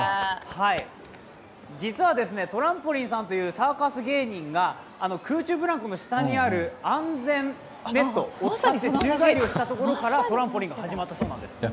実は、トランポリンさんというサーカス芸人が空中ブランコの下にある安全ネットを使って宙返りをしたことからトランポリンが始まったそうなんです。